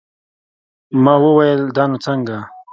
ما وويل دا نو څنگه.